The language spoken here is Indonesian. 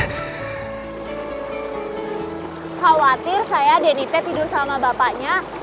khawatir saya denny t tidur sama bapaknya